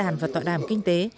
các đàn và tọa đàm kinh tế